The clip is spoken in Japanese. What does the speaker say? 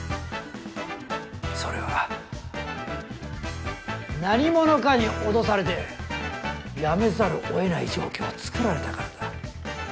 それは何者かに脅されてやめざるを得ない状況を作られたからだ。